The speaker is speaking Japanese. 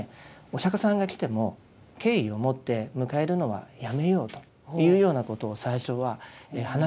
お釈迦さんが来ても敬意を持って迎えるのはやめようというようなことを最初は話し合っていたそうなんです。